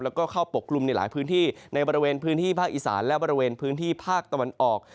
แล้วก็เข้าปกกลุ่มในหลายพื้นที่ในบริเวณพื้นที่ภาคอีสานและบริเวณพื้นที่ภาคตะวันออก